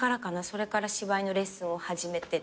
それから芝居のレッスンを始めて。